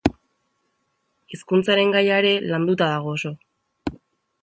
Hizkuntzaren gaia ere landuta dago oso.